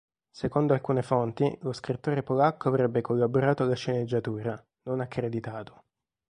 Secondo alcune fonti lo scrittore polacco avrebbe collaborato alla sceneggiatura, non accreditato.